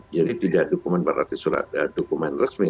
jadi tidak dokumen berarti surat dokumen resmi